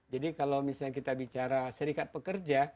jadi kalau misalnya kita bicara serikat pekerja